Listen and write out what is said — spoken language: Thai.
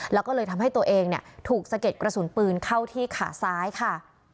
แล้วก็เลยทำให้ตัวเองถูกสะเก็ดกระสุนปืนเข้าที่ขาซ้ายค่ะ